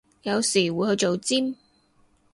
有時會去做尖